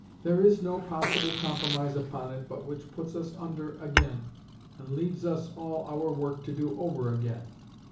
There is no possible compromise upon it but which puts us under again, and leaves us all our work to do over again.